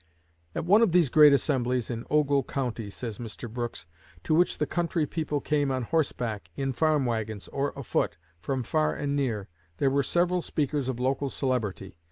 "At one of these great assemblies in Ogle County," says Mr. Brooks, "to which the country people came on horseback, in farm wagons, or afoot, from far and near, there were several speakers of local celebrity.